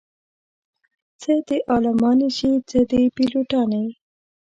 څه دې عالمانې شي څه دې پيلوټانې